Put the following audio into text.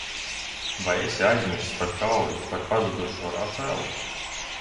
Vai esi aizmirsis par kauju par pazudušo Rafaelu?